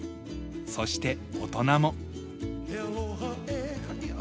そして大人も。